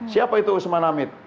siapa itu usman hamid